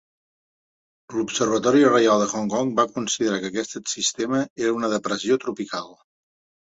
L'observatori reial de Hong Kong va considerar que aquest sistema era una depressió tropical.